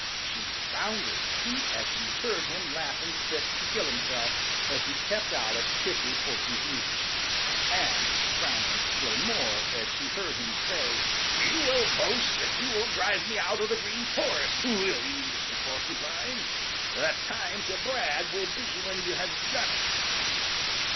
She ground her teeth as she heard him laughing fit to kill himself as he kept out of Prickly Porky's reach, and she ground them still more as she heard him say: "You will boast that you will drive me out of the Green Forest, will you, Mr. Porcupine? The time to brag will be when you have done it."